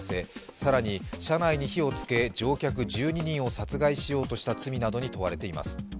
更に車内に火をつけ乗客１２人を殺害しようとした罪などに問われています。